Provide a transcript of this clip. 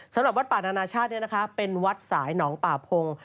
สำหรับวัดป่านานาชาติเป็นวัดสายหนองป่าพง